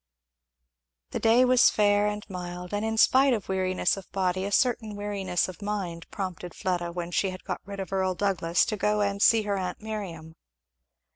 The day was fair and mild, and in spite of weariness of body a certain weariness of mind prompted Fleda when she had got rid of Earl Douglass, to go and see her aunt Miriam.